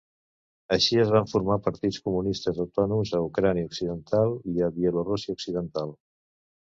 Així es van formar partits comunistes autònoms a Ucraïna occidental i a Bielorússia occidental.